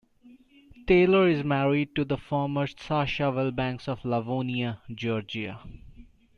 Taylor is married to the former Sacha Wilbanks of Lavonia, Georgia.